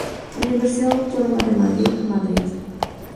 Universidad Autónoma de Madrid, Madrid.